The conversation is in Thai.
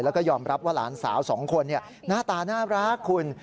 แล้วก็ยอมรับว่าหลานสาวสองคนหน้าตาน่ารักคุณ